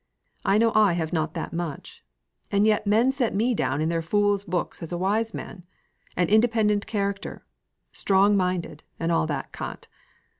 I know I have not that much; and yet men set me down in their fool's books as a wise man; an independent character; strong minded, and all that cant.